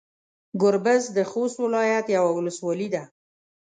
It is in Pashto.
ګوربز د خوست ولايت يوه ولسوالي ده.